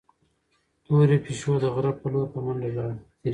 تورې پيشو د غره په لور په منډه لاړه.